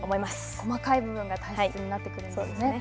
細かい部分が大切になってくるんですね。